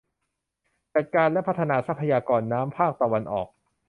จัดการและพัฒนาทรัพยากรน้ำภาคตะวันออก